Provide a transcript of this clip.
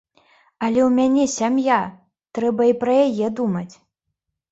Але ў мяне сям'я, трэба і пра яе думаць.